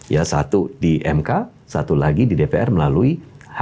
ya satu di mk satu lagi di dpr melalui hp